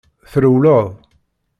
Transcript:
Trewleḍ.